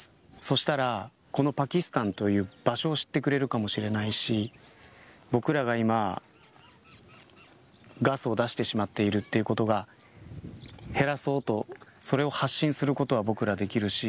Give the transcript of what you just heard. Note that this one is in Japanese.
そしたら、このパキスタンという場所を知ってくれるかもしれないし僕らが今ガスを出してしまっているということを減らそうと、それを発信することは僕らできるし。